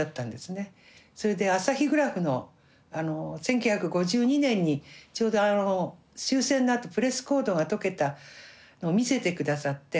それで「アサヒグラフ」の１９５２年にちょうど終戦のあとプレスコードが解けたのを見せてくださって。